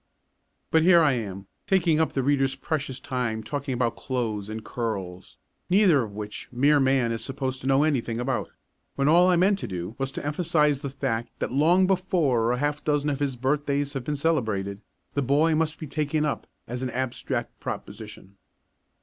But here I am, taking up the reader's precious time talking about clothes and curls neither of which mere man is supposed to know anything about when all I meant to do was to emphasise the fact that long before a half dozen of his birthdays have been celebrated, the boy must be taken up as an abstract proposition.